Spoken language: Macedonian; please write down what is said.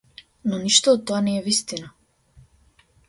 Но ништо од тоа не е вистина.